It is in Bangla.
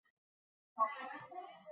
দয়া করে তাকে বাঁচান।